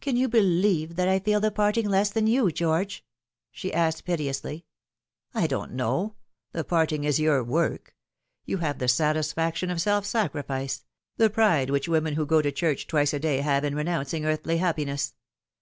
"Can you believe that I feel the parting less than you, George ?;> she asked piteously. How should I Greet Thee 1 313 " I don't know. The parting is your work. You have the satisfaction of self sacrifice the pride which women who go to church twice a day have in renouncing earthly happiness.